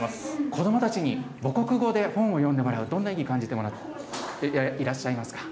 子どもたちに母国語で本を読んでもらう、どんな意義感じていらっしゃいますか。